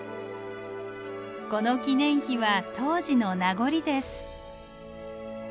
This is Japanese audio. この記念碑は当時の名残です。